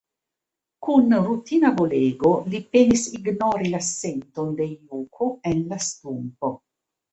Kun rutina volego, li penis ignori la senton de juko en la stumpo.